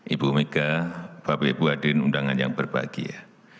ibu mega bapak ibu hadirin undangan yang berbahagia